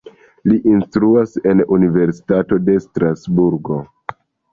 Li instruas en Universitato de Strasburgo.